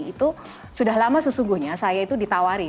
itu sudah lama sesungguhnya saya itu ditawari